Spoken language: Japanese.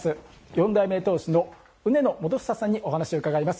４代目当主の采野元英さんにお話を伺います。